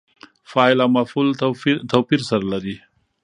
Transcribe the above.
فاعل او مفعول توپیر سره لري.